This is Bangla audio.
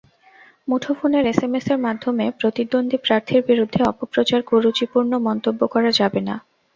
মুঠোফোনের এসএমএসের মাধ্যমে প্রতিদ্বন্দ্বী প্রার্থীর বিরুদ্ধে অপপ্রচার, কুরুচিপূর্ণ মন্তব্য করা যাবে না।